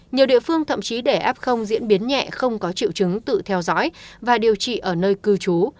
nhiều địa phương thậm chí để áp không diễn biến nhẹ không có triệu chứng tự theo dõi và điều trị ở nơi cư trú